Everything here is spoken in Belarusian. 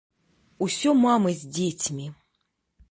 Усё мамы з дзецьмі.